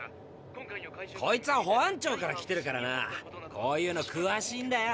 こいつは保安庁から来てるからなこういうのくわしいんだよ。